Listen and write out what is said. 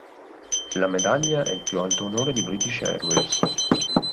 La medaglia è il più alto onore di British Airways.